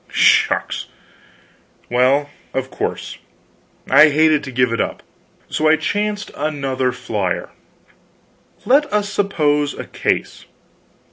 Shucks! Well, of course, I hated to give it up. So I chanced another flyer: "Let us suppose a case.